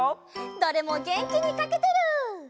どれもげんきにかけてる！